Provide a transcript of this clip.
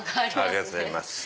ありがとうございます。